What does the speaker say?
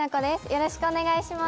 よろしくお願いします。